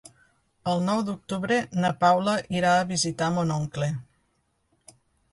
El nou d'octubre na Paula irà a visitar mon oncle.